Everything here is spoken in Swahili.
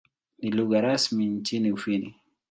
Ni lugha rasmi nchini Ufini.